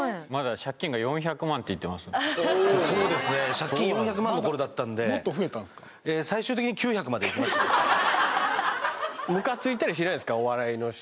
借金４００万の頃だったんでもっと増えたんですか？